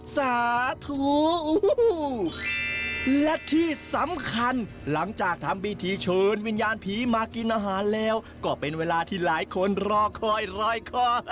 สาธุและที่สำคัญหลังจากทำพิธีเชิญวิญญาณผีมากินอาหารแล้วก็เป็นเวลาที่หลายคนรอคอยรอยคอ